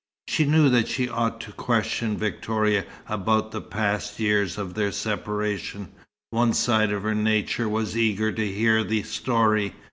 She knew that she ought to question Victoria about the past years of their separation, one side of her nature was eager to hear the story.